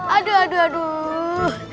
aduh aduh aduh